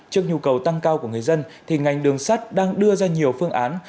trước nhu cầu tăng cao của người dân thì ngành đường sắt đang đưa ra nhiều phương án